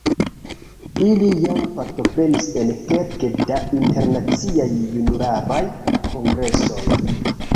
Ili jam partoprenis en kelke da Internaciaj Junularaj Kongresoj.